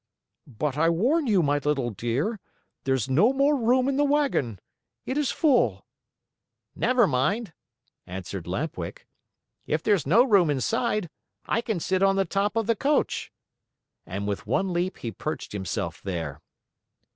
"But I warn you, my little dear, there's no more room in the wagon. It is full." "Never mind," answered Lamp Wick. "If there's no room inside, I can sit on the top of the coach." And with one leap, he perched himself there.